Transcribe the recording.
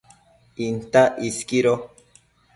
Intac isquido